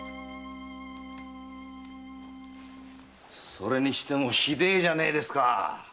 それにしてもひでえじゃねえですか！